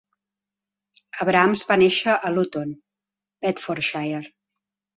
Abrahams va néixer a Luton, Bedfordshire.